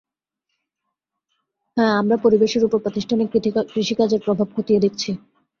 হ্যাঁ, আমরা পরিবেশের ওপর প্রাতিষ্ঠানিক কৃষিকাজের প্রভাব খতিয়ে দেখছি।